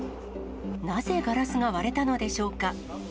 なぜガラスが割れたのでしょうか。